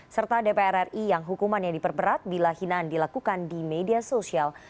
serta dpr ri yang hukumannya diperberat bila hinaan dilakukan di media sosial